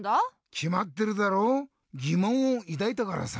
きまってるだろぎもんをいだいたからさ。